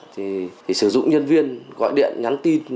thì sử dụng nhân viên gọi điện nhắn tin